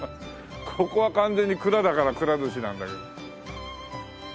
ここは完全に蔵だから「蔵鮨」なんだけど。